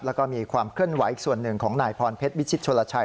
แล้วก็มีความเคลื่อนไหวอีกส่วนหนึ่งของนายพรเพชรวิชิตชนลชัย